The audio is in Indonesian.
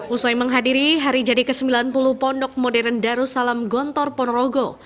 usai menghadiri hari jadi ke sembilan puluh pondok modern darussalam gontor ponorogo